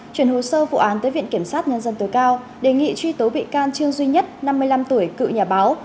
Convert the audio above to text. chuyển hồ sơ vụ án tới viện kiểm sát nhân dân tối cao đề nghị truy tố bị can trương duy nhất năm mươi năm tuổi cựu nhà báo